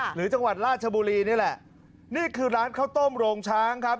หรือจังหวัดราชบุรีนี่แหละนี่คือร้านข้าวต้มโรงช้างครับ